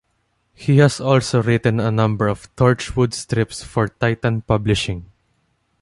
He has also written a number of "Torchwood" strips for Titan Publishing.